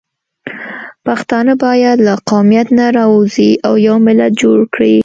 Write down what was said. پښتانه باید له قومیت نه راووځي او یو ملت جوړ کړي